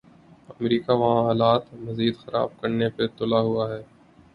امریکہ وہاں حالات مزید خراب کرنے پہ تلا ہوا ہے۔